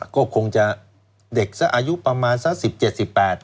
ก็คงจะเด็กอายุประมาณสัก๑๐๑๘นะครับ